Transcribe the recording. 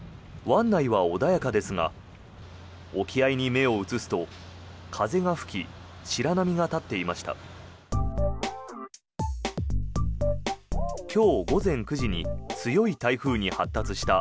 湾内は穏やかですが沖合に目を移すと風が吹き白波が立っていました。